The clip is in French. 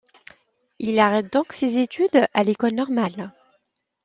Il arrête donc ses études à l'École Normale.